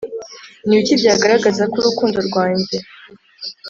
ni ibiki byagaragaza ko urukundo rwange